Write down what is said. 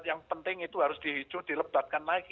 yang penting itu harus dihijau dilebatkan lagi